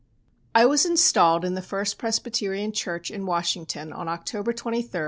] I was installed in the First Presbyterian Church in Washington on October 23, 1895.